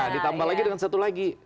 ditambah lagi dengan satu lagi